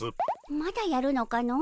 まだやるのかの。